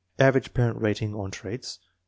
Average parent rating on txaits, 2.